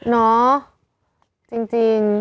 เนาะจริง